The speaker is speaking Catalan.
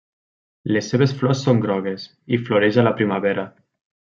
Les seves flors són grogues i floreix a la primavera.